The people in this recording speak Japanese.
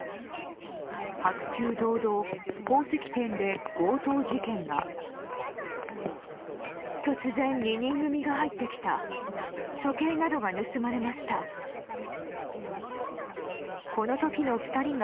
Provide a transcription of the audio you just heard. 白昼堂々、宝石店で強盗事件が。